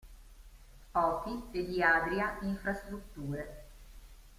Opi e di Adria Infrastrutture.